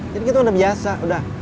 jadi kita udah biasa udah